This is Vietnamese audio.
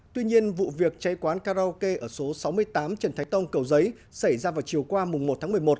tuy nhiên vụ việc cháy quán karaoke ở số sáu mươi tám trần thái tông cầu giấy xảy ra vào chiều qua một tháng một mươi một